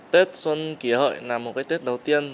tết xuân kỷ hợi là một cái tết đầu tiên